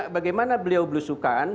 bagaimana beliau blusukan